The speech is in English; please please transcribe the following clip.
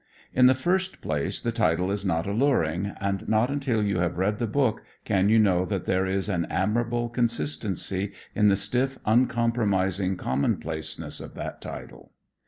In the first place the title is not alluring, and not until you have read the book, can you know that there is an admirable consistency in the stiff, uncompromising commonplaceness of that title.